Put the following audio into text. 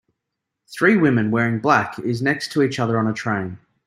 Three women wearing black is next to each other on a train.